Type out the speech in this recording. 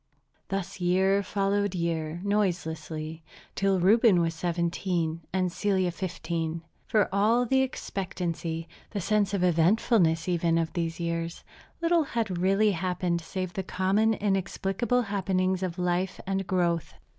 Thus year followed year noiselessly, till Reuben was seventeen and Celia fifteen. For all the expectancy, the sense of eventfulness even, of these years, little had really happened save the common inexplicable happenings of life and growth.